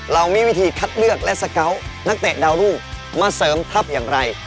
เรามีวิธีคัดเลือกและสเกาะนักเตะดาวรุ่งมาเสริมทัพอย่างไร